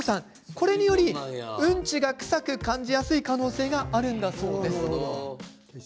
これにより、うんちがクサく感じやすい可能性があるんだそうです。